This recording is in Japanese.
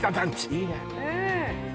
いいね